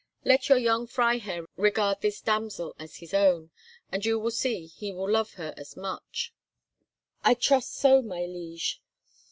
Let your young Freiherr regard this damsel as his own, and you will see he will love her as such." "I trust so, my liege."